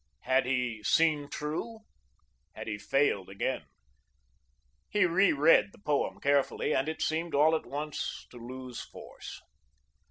Had he seen true? Had he failed again? He re read the poem carefully; and it seemed all at once to lose force.